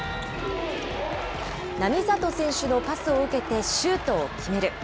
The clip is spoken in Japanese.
並里選手のパスを受けてシュートを決める。